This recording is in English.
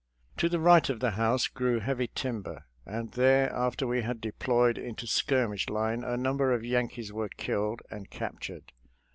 To the right of the house grew heavy timber, and there after we had deployed into skirmish line a number of Yankees were killed and captured.